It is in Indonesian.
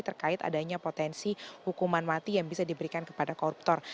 terkait adanya potensi hukuman mati yang bisa diberikan kepada koruptor